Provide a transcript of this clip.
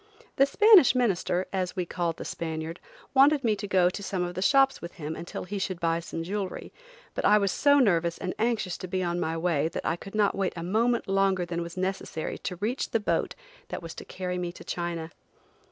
The "Spanish minister," as we called the Spaniard, wanted me to go to some of the shops with him until he should buy some jewelry, but I was so nervous and anxious to be on my way that I could not wait a moment longer than was necessary to reach the boat that was to carry me to China.